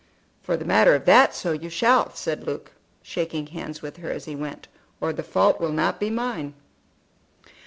"For the matter of that, so you shall," said Luke, shaking hands with her as he went, "or the fault will not be mine."